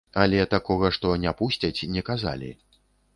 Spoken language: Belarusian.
Але такога, што не пусцяць, не казалі.